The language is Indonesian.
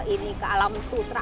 ini ke alam sutra